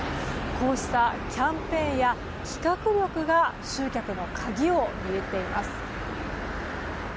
こうしたキャンペーンや企画力が集客の鍵を握っています。